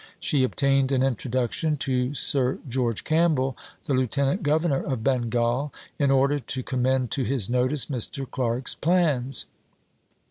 She obtained an introduction to Sir George Campbell, the Lieutenant Governor of Bengal, in order to commend to his notice Mr. Clark's plans.